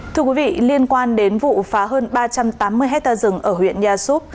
thưa quý vị liên quan đến vụ phá hơn ba trăm tám mươi hectare rừng ở huyện yasup